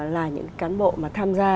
là những cán bộ mà tham gia